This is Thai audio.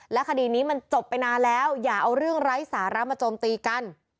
คดีนี้มันจบไปนานแล้วอย่าเอาเรื่องไร้สาระมาโจมตีกัน